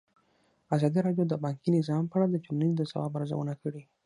ازادي راډیو د بانکي نظام په اړه د ټولنې د ځواب ارزونه کړې.